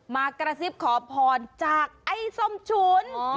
มากระซิบขอพรจากไอ้ส้มฉุน